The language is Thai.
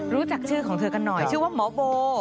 รู้จักชื่อของเธอกันหน่อยชื่อว่าหมอโบ